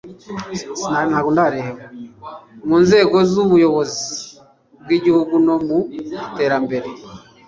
mu nzego z'ubuyobozi bw'igihugu no mu iterambere